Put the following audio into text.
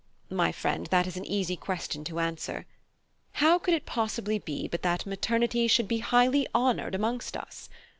My friend, that is a question easy to answer. How could it possibly be but that maternity should be highly honoured amongst us?